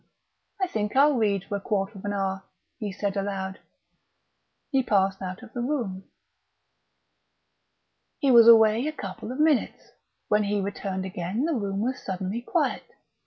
I think I'll read for a quarter of an hour," he said aloud.... He passed out of the room. He was away a couple of minutes; when he returned again the room was suddenly quiet.